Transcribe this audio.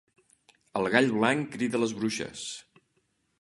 El gall blanc crida les bruixes.